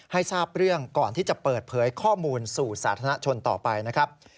ทราบเรื่องก่อนที่จะเปิดเผยข้อมูลสู่สาธารณชนต่อไปนะครับ